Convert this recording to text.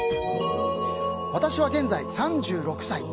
私は現在３６歳。